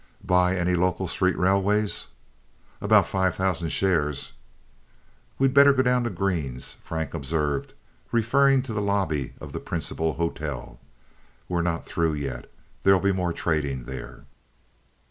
"Buy any local street railways?" "About five thousand shares." "We'd better go down to Green's," Frank observed, referring to the lobby of the principal hotel. "We're not through yet. There'll be more trading there."